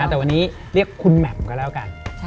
แต่วันนี้เรียกคุณแหม่มก็แล้วกัน